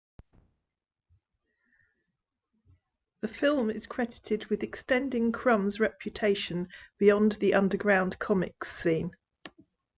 The film is credited with extending Crumb's reputation beyond the underground comix scene.